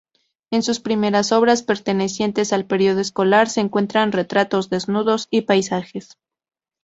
En sus primeras obras pertenecientes al período escolar se encuentran retratos, desnudos y paisajes.